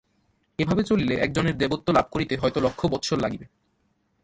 এভাবে চলিলে একজনের দেবত্ব লাভ করিতে হয়তো লক্ষ বৎসর লাগিবে।